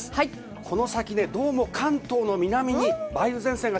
この先、関東の南に梅雨前線が